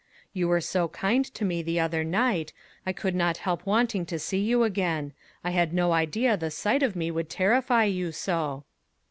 "You were so kind to me the other night, I could not help wanting to see you again. I had no idea the sight of me would terrify you so."